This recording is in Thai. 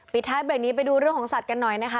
ท้ายเบรกนี้ไปดูเรื่องของสัตว์กันหน่อยนะคะ